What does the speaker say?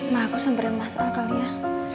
ma aku samperin mas al kali ya